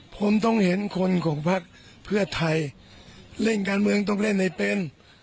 ผมต้องเห็นคนของพักเพื่อไทยเล่นการเมืองต้องเล่นให้เป็น